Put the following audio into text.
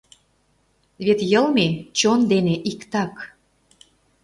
Вет йылме чон дене иктак.